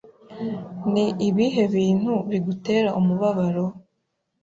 Ni ibihe bintu bigutera umubabaro?